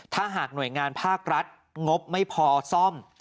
ถ้าหากหน่วยงานภาครัฐงบไม่พอซ่อม